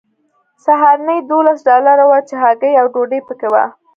سهارنۍ دولس ډالره وه چې هګۍ او ډوډۍ پکې وه